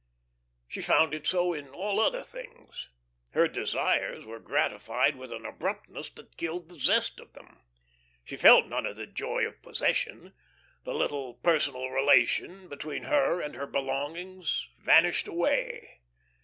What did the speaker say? She found it so in all other things. Her desires were gratified with an abruptness that killed the zest of them. She felt none of the joy of possession; the little personal relation between her and her belongings vanished away.